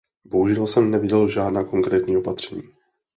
Bohužel jsem neviděl žádná konkrétní opatření.